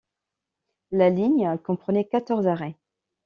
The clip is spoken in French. La ligne comprenait quatorze arrêts.